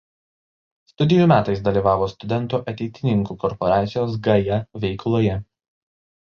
Studijų metais dalyvavo studentų ateitininkų korporacijos „Gaja“ veikloje.